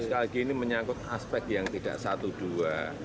sekali lagi ini menyangkut aspek yang tidak satu dua